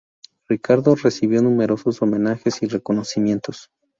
Ricardo recibió numerosos homenajes y reconocimientos.